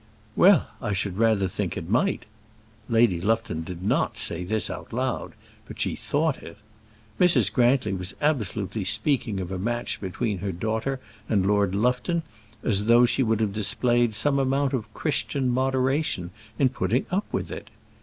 "Well, I should rather think it might!" Lady Lufton did not say this out loud, but she thought it. Mrs. Grantly was absolutely speaking of a match between her daughter and Lord Lufton as though she would have displayed some amount of Christian moderation in putting up with it!